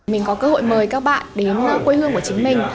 mình có cơ hội mời các bạn đến quê hương của chính mình